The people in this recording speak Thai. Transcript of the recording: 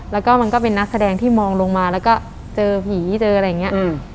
แล้วก็มันก็เป็นนักแสดงที่มองลงมาแล้วก็เจอผีเจออะไรอย่างนี้